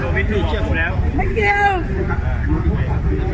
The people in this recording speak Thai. ไม่เป็นไรไม่เป็นไร